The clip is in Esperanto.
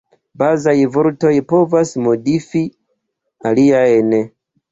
Bazaj vortoj povas modifi aliajn.